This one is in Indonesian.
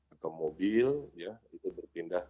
atau mobil itu berpindah